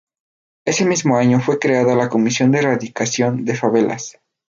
Ese mismo año fue creada la Comisión de Erradicación de Favelas.